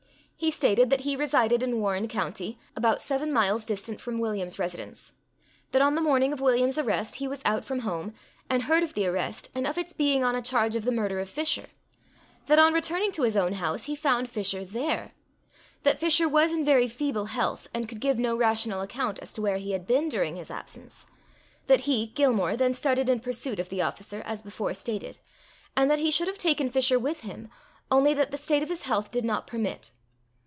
He stated that he resided in Warren county, about seven miles distant from William's residence; that on the morning of William's arrest, he was out from home, and heard of the arrest, and of its being on a charge of the murder of Fisher; that on returning to his own house, he found Fisher there; that Fisher was in very feeble health, and could give no rational account as to where he had been during his absence; that he (Gilmore) then started in pursuit of the officer, as before stated; and that he should have taken Fisher with him, only that the state of his health did not permit.